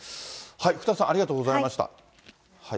福田さん、ありがとうございました。